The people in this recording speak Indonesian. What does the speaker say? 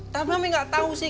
tapi mami gak tau sih